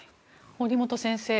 堀本先生